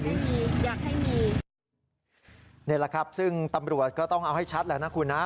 นี่แหละครับซึ่งตำรวจก็ต้องเอาให้ชัดแล้วนะคุณนะ